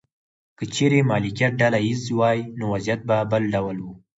که چیرې مالکیت ډله ایز وای نو وضعیت به بل ډول و.